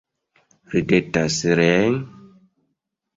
Ridetas reen?